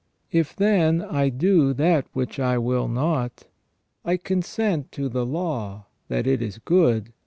If, then, I do that which I will not, I consent to the law, that it is good.